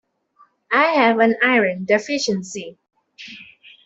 I have an iron deficiency.